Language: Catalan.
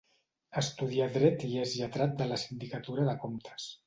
Estudià dret i és lletrat de la Sindicatura de Comptes.